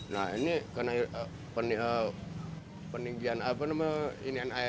nah ini kena peninggian apa namanya inian air